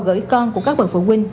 gửi con của các bậc phụ huynh